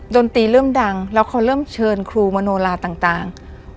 ดนตรีเริ่มดังแล้วเขาเริ่มเชิญครูมโนลาต่าง